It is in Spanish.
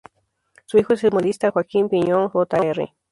Su hijo es el humorista Joaquín Piñón Jr.